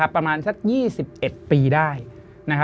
ประมาณสัก๒๑ปีได้